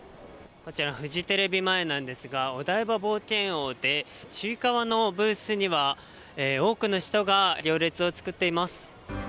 こちら、フジテレビ前なんですが、お台場冒険王でちいかわのブースには多くの人が行列を作っています。